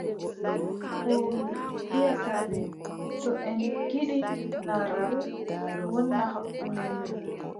Fowru wiʼata ɓe: to en ngiɗi narral wona hakkunde men,